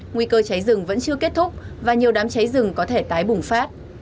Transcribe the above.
nguy cơ cháy rừng vẫn chưa kết thúc và nhiều đám cháy rừng có thể tái bùng phát